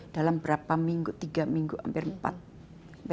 dalam berapa minggu tiga minggu hampir empat